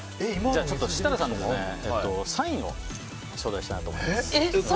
設楽さんのサインをちょうだいしたいなと思います。